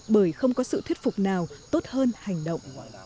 bởi không có sự thuyết phục nào tốt hơn hành động